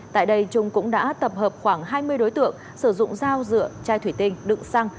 tại đây trung cũng đã tập hợp khoảng hai mươi đối tượng sử dụng dao dựa chai thủy tinh đựng xăng